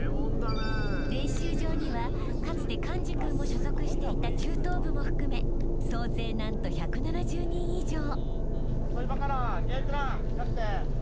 ［練習場にはかつて寛治君も所属していた中等部も含め総勢何と１７０人以上］